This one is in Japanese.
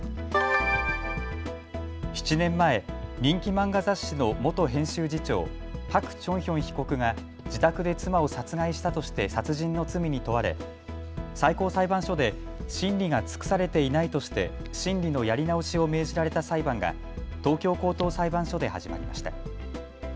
７年前、人気漫画雑誌の元編集次長、朴鐘顕被告が自宅で妻を殺害したとして殺人の罪に問われ最高裁判所で審理が尽くされていないとして審理のやり直しを命じられた裁判が東京高等裁判所で始まりました。